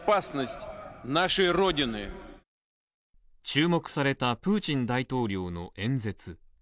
注目されたプーチン大統領の演説。